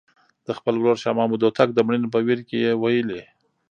د خپل ورور شاه محمود هوتک د مړینې په ویر کې یې ویلي.